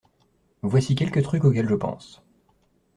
Voici quelques trucs auxquels je pense.